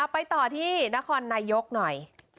ไปต่อที่นครนายกหน่อย